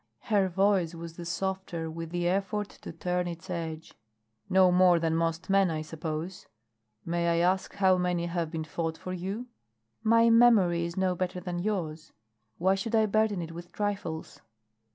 Her voice was the softer with the effort to turn its edge. "No more than most men, I suppose. May I ask how many have been fought for you?" "My memory is no better than yours. Why should I burden it with trifles?"